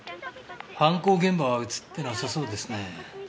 犯行現場は映ってなさそうですね。